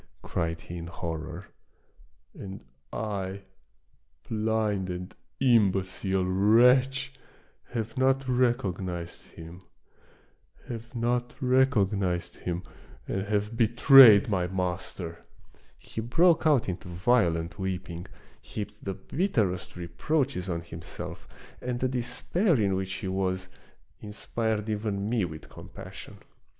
" cried he in horror ; "and I, blind and imbecile wretch, have not recognized him, have not recognized him, and have betrayed my master I " He broke out into violent weeping ; heaped the bitterest reproaches on himself, and the despair in which he was, inspired even me with com passion.